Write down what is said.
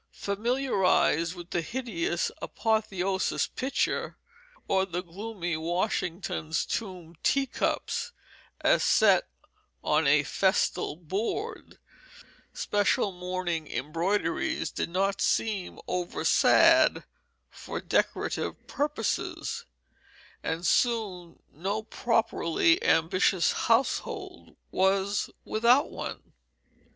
Familiarized with the hideous Apotheosis pitcher, or the gloomy Washington's Tomb teacups as set on a festal board, special mourning embroideries did not seem oversad for decorative purposes, and soon no properly ambitious household was without one.